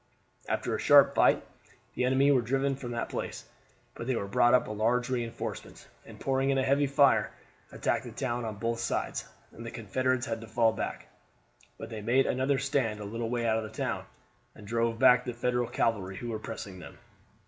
After a sharp fight the enemy were driven from the place; but they brought up large reinforcements, and, pouring in a heavy fire, attacked the town on both sides, and the Confederates had to fall back. But they made another stand a little way out of the town, and drove back the Federal cavalry who were pressing them.